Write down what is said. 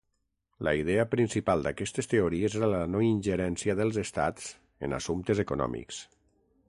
La idea principal d'aquestes teories era la no ingerència dels Estats en assumptes econòmics.